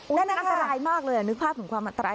นั่นอันตรายมากเลยนึกภาพถึงความอันตราย